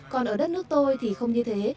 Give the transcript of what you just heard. còn ở đất nước tôi thì không như thế